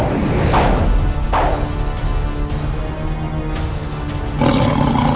wa samaan dulu nih bank ini